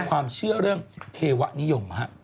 ความเชื่อเรื่องเทวะนิยม